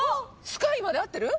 「スカイ」まで合ってる？